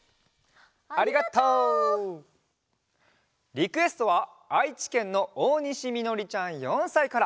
リクエストはあいちけんのおおにしみのりちゃん４さいから。